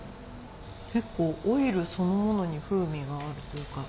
結構オイルそのものに風味があるというか。